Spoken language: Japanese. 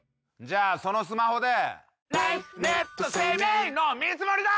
じゃあそのスマホで。